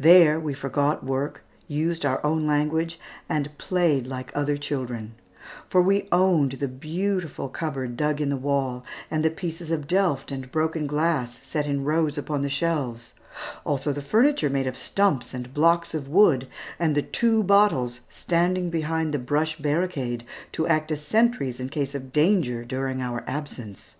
There we forgot work, used our own language, and played we were like other children; for we owned the beautiful cupboard dug in the wall, and the pieces of Delft and broken glass set in rows upon the shelves, also the furniture, made of stumps and blocks of wood, and the two bottles standing behind the brush barricade to act as sentries in case of danger during our absence.